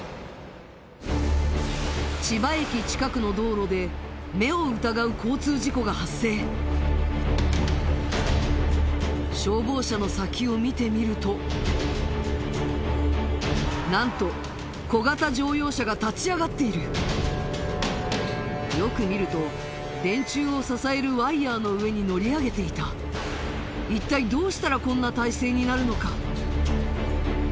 千葉駅近くの道路で目を疑う交通事故が発生消防車の先を見てみると何と小型乗用車が立ち上がっているよく見ると電柱を支えるワイヤーの上に乗り上げていた一体どうしたらこんな体勢になるのか？